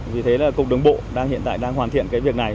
vì thế cục đồng bộ hiện tại đang hoàn thiện việc này